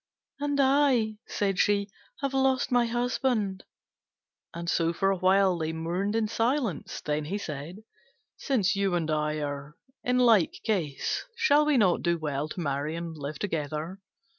"And I," said she, "have lost my husband." And so for a while they mourned in silence. Then he said, "Since you and I are in like case, shall we not do well to marry and live together?